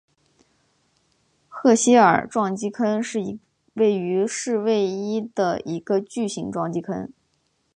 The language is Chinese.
赫歇尔撞击坑是位于土卫一的一个巨型撞击坑。